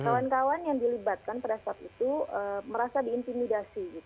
kawan kawan yang dilibatkan pada saat itu merasa diintimidasi